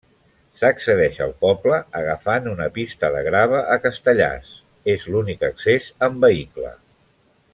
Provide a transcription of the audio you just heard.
S'accedeix al poble agafant una pista de grava a Castellars; és l'únic accés amb vehicle.